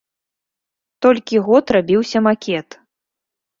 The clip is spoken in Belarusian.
Толькі год рабіўся макет.